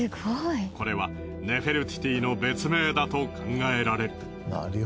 これはネフェルティティの別名だと考えられる。